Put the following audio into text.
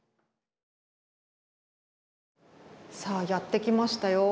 さあやって来ましたよ。